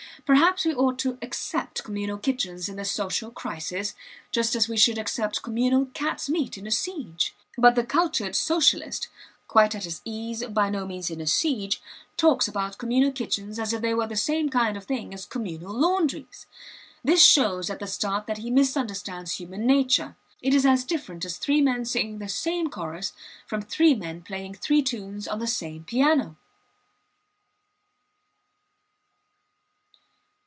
Perhaps we ought to accept communal kitchens in the social crisis, just as we should accept communal cat's meat in a siege. But the cultured Socialist, quite at his ease, by no means in a siege, talks about communal kitchens as if they were the same kind of thing as communal laundries. This shows at the start that he misunderstands human nature. It is as different as three men singing the same chorus from three men playing three tunes on the same piano.